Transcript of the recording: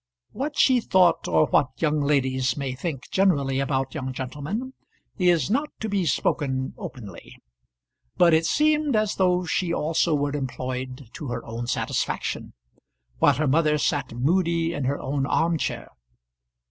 What she thought, or what young ladies may think generally about young gentlemen, is not to be spoken openly; but it seemed as though she also were employed to her own satisfaction, while her mother sat moody in her own arm chair.